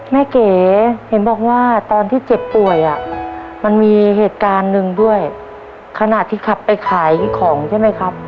เก๋เห็นบอกว่าตอนที่เจ็บป่วยอ่ะมันมีเหตุการณ์หนึ่งด้วยขณะที่ขับไปขายของใช่ไหมครับ